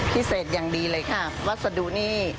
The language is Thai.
พิเศษอย่างดีเลยค่ะวัสดุนี่